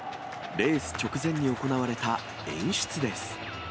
レース直前に行われた演出です。